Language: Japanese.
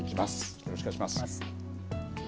よろしくお願いします。